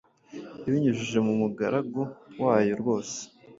ibinyujije mu mugaragu wayo rwose,